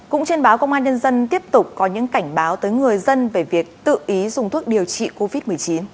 cũng trên báo công an nhân dân tiếp tục có những cảnh báo tới người dân về việc tự ý dùng thuốc điều trị covid một mươi chín